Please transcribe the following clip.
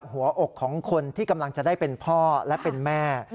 หัวอกของคนที่กำลังจะได้เป็นพ่อและเป็นแม่